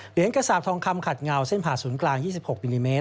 กระสาปทองคำขัดเงาเส้นผ่าศูนย์กลาง๒๖มิลลิเมตร